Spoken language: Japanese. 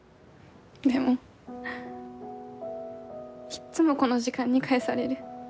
でもいっつもこの時間に帰される。